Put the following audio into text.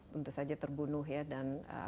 tentu saja terbunuh ya dan